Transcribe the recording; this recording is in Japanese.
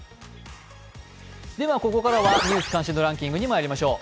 ここからは「ニュース関心度ランキング」にまいりましょう。